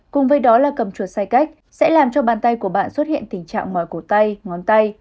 cùng với đó là cầm chuột sai cách sẽ làm cho bàn tay của bạn xuất hiện tình trạng mỏi cổ tay ngón tay